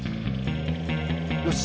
よし！